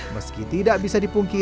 meski tidak bisa diputuskan